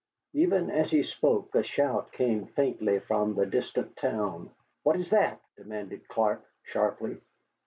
Even as he spoke a shout came faintly from the distant town. "What is that?" demanded Clark, sharply.